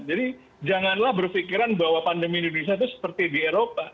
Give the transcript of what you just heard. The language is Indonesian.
jadi janganlah berpikiran bahwa pandemi indonesia itu seperti di eropa